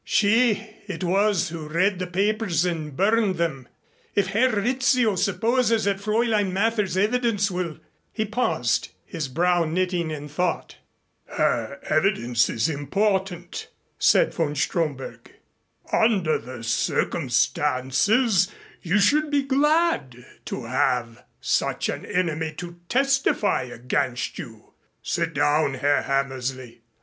She it was who read the papers and burned them. If Herr Rizzio supposes that Fräulein Mather's evidence will " He paused, his brow knitting in thought. "Her evidence is important," said von Stromberg. "Under the circumstances you should be glad to have such an enemy to testify against you. Sit down, Herr Hammersley.